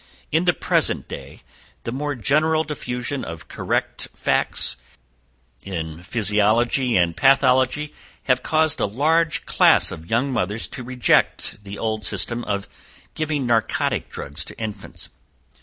"In the present day, the more general diffusion of correct facts in physiology and pathology has caused a large class of young mothers to reject the old system of giving narcotic drugs to infants.